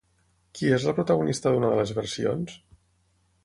Qui és la protagonista d'una de les versions?